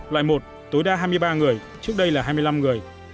loại một tối đa hai mươi ba người trước đây là hai mươi năm người